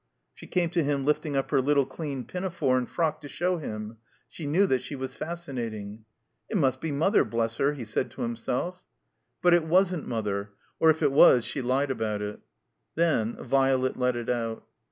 She came to him lifting up her little dean pinafore and frock to show him. She knew that she was fascinat ing. It must be Mother, bless her," he said to him self. THE COMBINED MAZE But it wasn't Mother; or if it was she lied about it. Then Violet let it out.